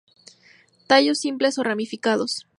Tallos simples o ramificados.